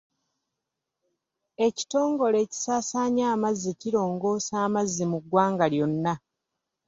Ekitongole ekisaasaanya amazzi kirongoosa amazzi mu ggwanga lyonna.